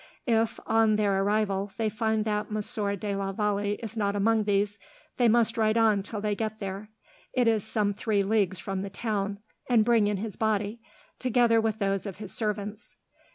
If, on their arrival, they find that Monsieur de la Vallee is not among these, they must ride on till they get there it is some three leagues from the town and bring in his body, together with those of his servants.